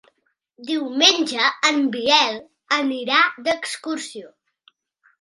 Diumenge en Biel anirà d'excursió.